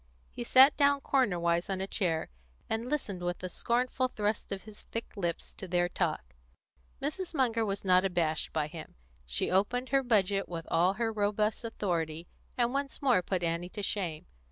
He sat down cornerwise on a chair, and listened, with a scornful thrust of his thick lips, to their talk. Mrs. Munger was not abashed by him. She opened her budget with all her robust authority, and once more put Annie to shame.